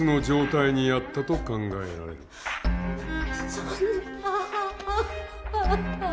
そんな。